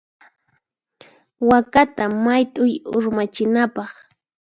Wakata mayt'uy urmachinapaq.